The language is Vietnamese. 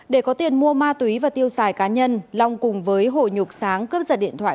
để có tiền mua ma túy và tiêu xài cá nhân long cùng với hồ nhục sáng cướp giật điện thoại